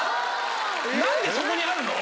何でそこにあるの？